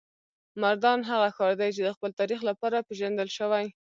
مردان هغه ښار دی چې د خپل تاریخ لپاره پیژندل شوی.